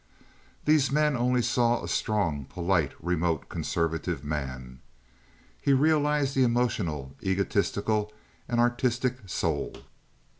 These men only saw a strong, polite, remote, conservative man. He realized the emotional, egotistic, and artistic soul.